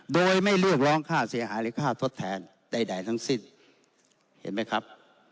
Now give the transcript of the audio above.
โดยไม่เรียกร้องค่าเสียหายหรือค่าทดแทนใดทั้งสิ้นเห็นไหมครับ